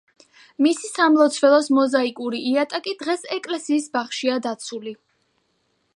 მისი სამლოცველოს მოზაიკური იატაკი დღეს ეკლესიის ბაღშია დაცული.